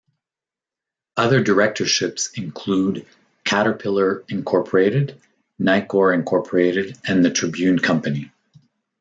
Other directorships include Caterpillar Incorporated Nicor Incorporated and the Tribune Company.